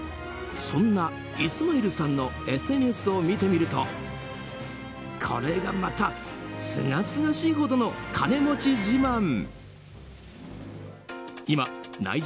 そんなイスマイルさんのＳＮＳを見てみるとこれがまたすがすがしいほどの金持ち自慢。